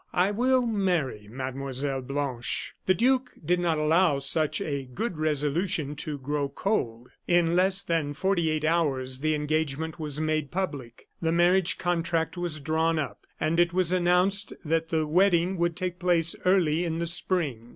I will marry Mademoiselle Blanche." The duke did not allow such a good resolution to grow cold. In less than forty eight hours the engagement was made public; the marriage contract was drawn up, and it was announced that the wedding would take place early in the spring.